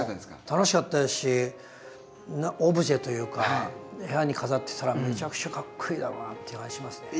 楽しかったですしオブジェというか部屋に飾ってたらめちゃくちゃかっこイイだろうなっていう感じしますね。